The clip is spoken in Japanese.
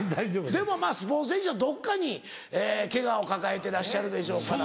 でもスポーツ選手はどっかにケガを抱えてらっしゃるでしょうから。